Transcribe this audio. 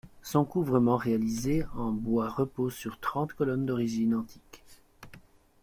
Son couvrement réalisé en bois repose sur trente colonnes d'origine antique.